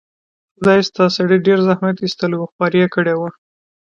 خدای شته، سړي ډېر زحمت ایستلی و، خواري یې کړې وه.